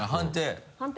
判定。